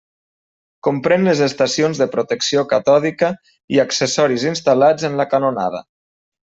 Comprén les estacions de protecció catòdica i accessoris instal·lats en la canonada.